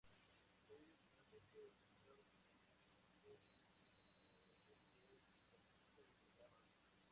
Tallos generalmente postrados, ocasionalmente ascendentes; ramifica desde la base.